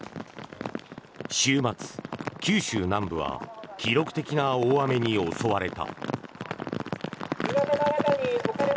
週末、九州南部は記録的な大雨に襲われた。